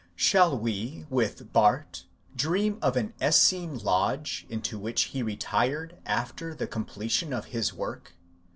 Shall we, with Bahrdt, dream of an Essene lodge, into which he retired after the completion of his work?